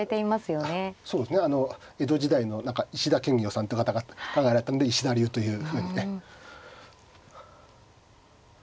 そうですね江戸時代の石田検校さんという方が考えられたんで石田流というふうにね。